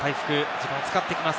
時間を使ってきます。